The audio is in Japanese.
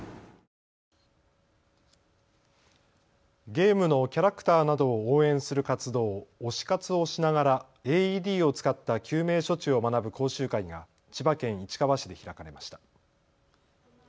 ゲームのキャラクターなどを応援する活動、推し活をしながらＡＥＤを使った救命処置を学ぶ講習会が千葉県市川市で開かれました。